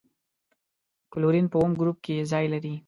کلورین په اووم ګروپ کې ځای لري.